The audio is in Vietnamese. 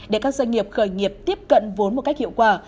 để các doanh nghiệp khởi nghiệp tiếp cận vốn một cách hiệu quả